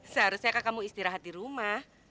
seharusnya kamu istirahat di rumah